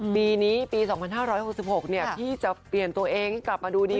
ปีนี้ปี๒๕๖๖พี่จะเปลี่ยนตัวเองให้กลับมาดูดี